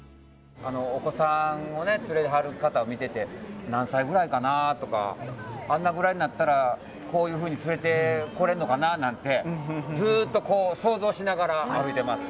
お子さんを連れはる方を見てて何歳くらいかなとかあんなぐらいになったらこういうふうに連れてこれるのかななんてずっと想像しながら歩いてます。